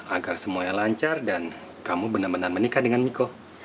agar semuanya lancar dan kamu benar benar menikah dengan miko